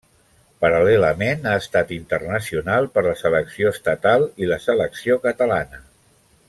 Paral·lelament, ha estat internacional per la selecció estatal i la selecció catalana.